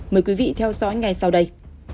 mời quý vị theo dõi ngày sau đây